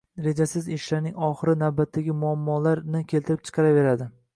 Rejasiz ishlarning oxiri navbatdagi muammolarni keltirib chiqaraveradi.